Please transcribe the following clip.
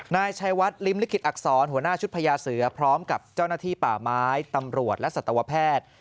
นายชัยวัดลิ้มลิขิตอักษรหัวหน้าชุดพญาเสือพร้อมกับเจ้าหน้าที่ป่าไม้ตำรวจและสัตวแพทย์